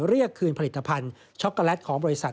เรียกคืนผลิตภัณฑ์ช็อกโกแลตของบริษัท